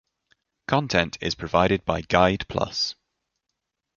Content is provided by Guide Plus.